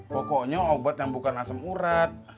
pokoknya obat yang bukan asem urat